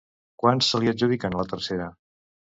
Quants se li adjudiquen a la tercera?